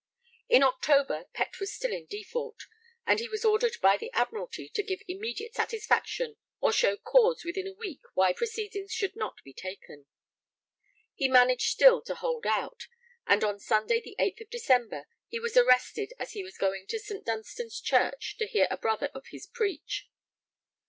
In October, Pett was still in default, and he was ordered by the Admiralty to give immediate satisfaction or show cause within a week why proceedings should not be taken. He managed still to hold out, and on Sunday the 8th of December he was arrested as he was going to St. Dunstan's Church 'to hear a brother of his preach.'